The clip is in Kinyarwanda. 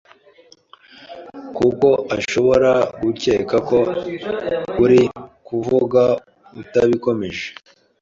kuko ashobora gukeka ko uri kuvuga utabikomeje.